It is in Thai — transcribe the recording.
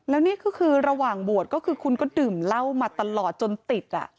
แล้วนี่ก็คือระหว่างบวชก็คือคุณก็ดื่มเหล้ามาตลอดจนติด